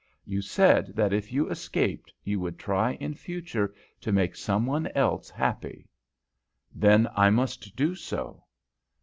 "You said that if you escaped you would try in future to make some one else happy." "Then I must do so."